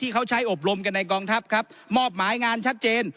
เขาใช้อบรมกันในกองทัพครับมอบหมายงานชัดเจน